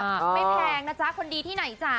ไม่แพงนะจ๊ะคนดีที่ไหนจ๊